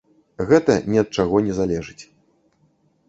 Гэта ні ад чаго не залежыць.